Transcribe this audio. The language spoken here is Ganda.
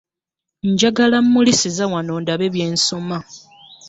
Njagala ammulisiza wano ndabe bye nsoma.